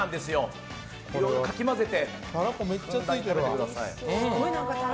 いろいろかき混ぜて。